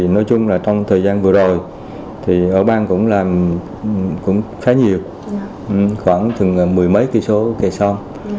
nói chung trong thời gian vừa rồi ở bang cũng làm khá nhiều khoảng thường mười mấy kỳ số kẻ sông